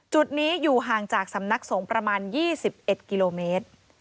จุดนี้อยู่ห่างจากสำนักสงฆ์ประมาณ๒๑กิโลเมตร